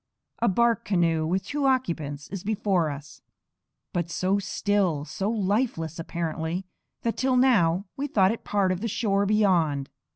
A bark canoe with two occupants is before us; but so still, so lifeless apparently, that till now we thought it part of the shore beyond.